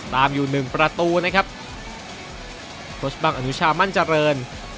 ตามอยู่หนึ่งประตูนะครับโค้ชบังอนุชามั่นเจริญ